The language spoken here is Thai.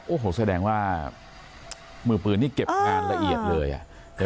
โอ้โหแสดงว่ามือปืนนี่เก็บงานละเอียดเลยอ่ะ